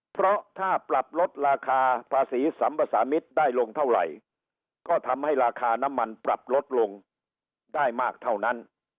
เพราะถ้าปรับลดราคาภาษีสัมภาษามิตรได้ลงเท่าไหร่ก็ทำให้ราคาน้ำมันปรับลดลงได้มากเท่านั้น